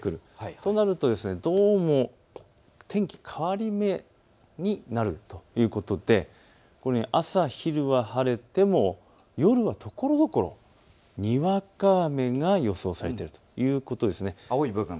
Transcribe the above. となると、どうも天気変わり目になるということで朝昼は晴れても夜はところどころにわか雨が予想されているということです。